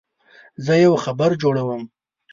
زه یو خبر جوړوم.